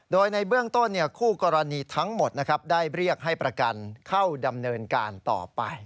โดยในเบื้องต้นคู่กรณีทั้งหมดได้เรียกให้ประกันเข้าดำเนินการต่อไป